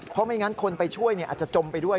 เพราะไม่งั้นคนไปช่วยอาจจะจมไปด้วย